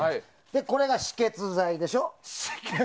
これが止血剤でしょ。